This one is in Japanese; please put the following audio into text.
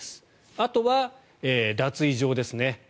あとは、脱衣場ですね。